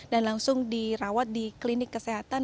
dan langsung dirawat di klinik kesehatan